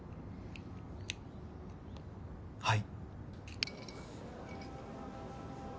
はい。